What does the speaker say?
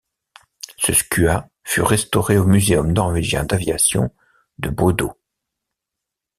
Ce Skua fut restauré au muséum norvégien d'aviation de Bodø.